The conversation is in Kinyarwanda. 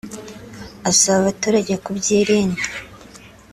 asaba abaturage kubyirinda